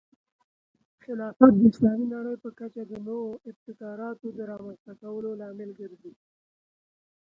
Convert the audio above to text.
خلافت د اسلامي نړۍ په کچه د نوو ابتکاراتو د رامنځته کولو لامل ګرځي.